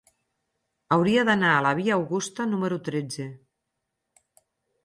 Hauria d'anar a la via Augusta número tretze.